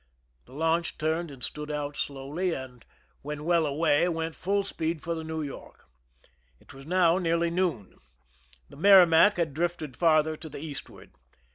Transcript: The launch turned and stood out slowly, and when ^^ell away went full speed for the New York. It was now nearly noon. The Merrimac had drifted farther to the eastward.